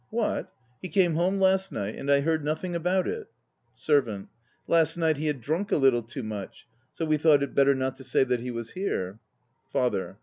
What? He came home last night, and I heard nothing about it? SERVANT. Last night he had drunk a little too much, so we thought it better not to say that he was here. FATHER.